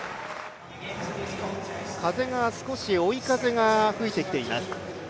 風が少し追い風が吹いてきています。